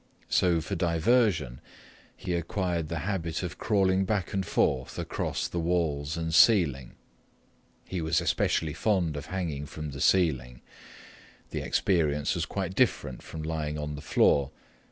So for diversion he acquired the habit of crawling back and forth across the walls and ceiling. He was especially fond of hanging from the ceiling. The experience was quite different from lying on the floor.